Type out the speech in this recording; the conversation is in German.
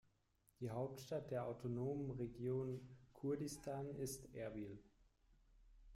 Die Hauptstadt der autonomen Region Kurdistan ist Erbil.